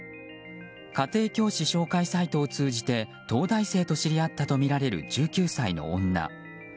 家庭教師紹介サイトを通じて東大生と知り合ったとみられる１９歳の女。